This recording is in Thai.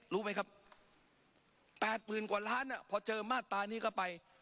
รู้ไหมครับแปดหมื่นกว่าล้านน่ะพอเจอมาตรานี้ก็ไป